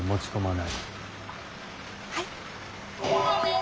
はい。